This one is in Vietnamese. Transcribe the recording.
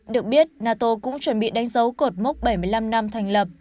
được biết nato cũng chuẩn bị đánh dấu cột mốc bảy mươi năm năm thành lập